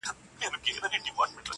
• څارنوال سو په ژړا ویل بابا جانه,